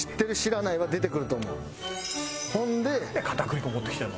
なんで片栗粉持ってきてるの？